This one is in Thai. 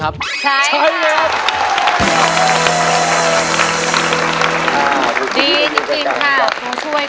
ร้องได้ให้ร้อง